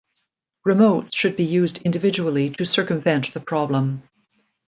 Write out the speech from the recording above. Remotes should be used individually to circumvent the problem.